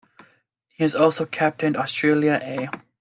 He has also captained Australia A.